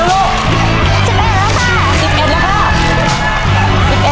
นัดหนึ่งนะคะ